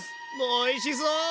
おいしそう！